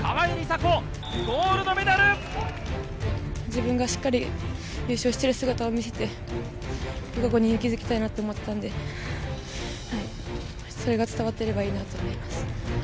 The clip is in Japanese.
自分がしっかり優勝している姿を見せて、友香子を勇気づけたいなと思ってたんで、それが伝わってればいいなと思います。